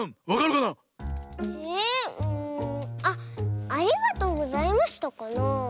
あっ「ありがとうございました」かなあ。